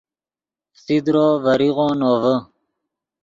فسیدرو ڤریغو نوڤے